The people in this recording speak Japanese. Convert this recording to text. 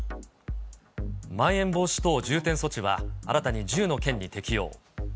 まん延防止等重点措置は新たに１０の県に適用。